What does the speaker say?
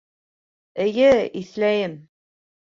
Эйе, иҫләйем